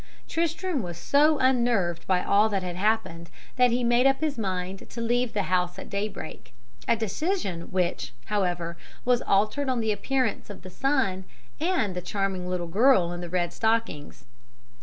"Tristram was so unnerved by all that had happened that he made up his mind to leave the house at daybreak, a decision which, however, was altered on the appearance of the sun and the charming little girl in the red stockings.